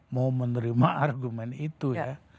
mau menerima argumen itu ya